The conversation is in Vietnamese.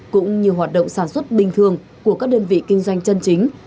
cũng như hoạt động sản xuất bình thường của các đơn vị kinh doanh chân chính